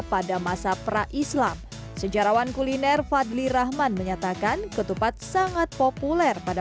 pada masa pra islam sejarawan kuliner fadli rahman menyatakan ketupat sangat populer pada